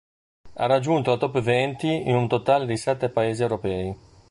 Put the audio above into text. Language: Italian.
Ha raggiunto la "Top Venti" in un totale di sette paesi europei.